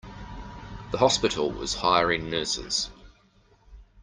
The hospital is hiring nurses.